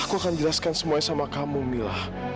aku akan jelaskan semuanya sama kamu mila